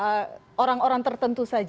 hanya menarget orang orang tertentu saja